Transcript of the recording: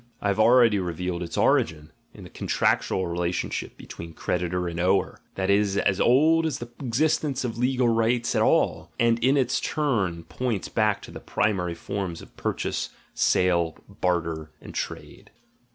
I have already revealed its origin, in the contractual relationship between creditor and ower, that is as old as the existence of legal rights at all, and in its turn points back to the primary forms of purchase, sale, barter, and trade.